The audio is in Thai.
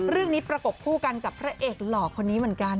ประกบคู่กันกับพระเอกหล่อคนนี้เหมือนกัน